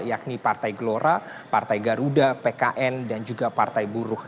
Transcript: yakni partai gelora partai garuda pkn dan juga partai buruh